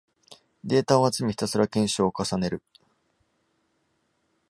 データを集め、ひたすら検証を重ねる